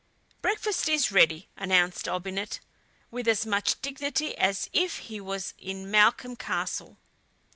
"Breakfast is ready," announced Olbinett with as much dignity as if he was in Malcolm Castle.